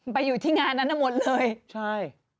ไปอยู่ที่งานนั้นน่ะหมดเลยใช่